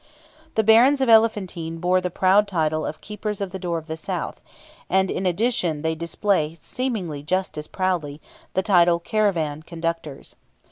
The barons of Elephantine bore the proud title of "Keepers of the Door of the South," and, in addition, they display, seemingly just as proudly, the title "Caravan Conductors."